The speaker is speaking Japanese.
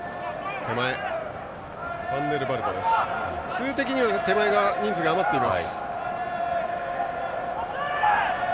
数的に手前、人数が余っている。